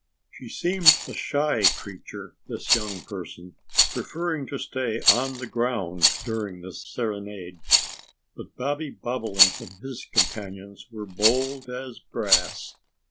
She seemed a shy creature this young person preferring to stay on the ground during the serenade. But Bobby Bobolink and his companions were bold as brass.